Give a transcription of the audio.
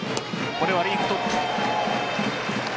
これはリーグトップ。